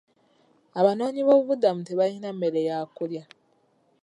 Abanoonyiboobubudamu tebalina mmere ya kulya.